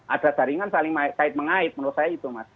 ada jaringan saling kait mengait menurut saya itu mas